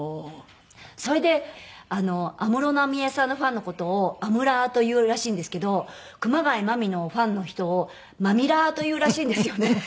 それで安室奈美恵さんのファンの事をアムラーと言うらしいんですけど熊谷真実のファンの人をマミラーと言うらしいんですよね。